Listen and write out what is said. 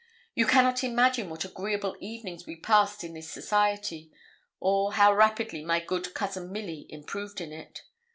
You cannot imagine what agreeable evenings we passed in this society, or how rapidly my good Cousin Milly improved in it.